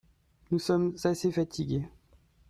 Nous sommes assez fatigués.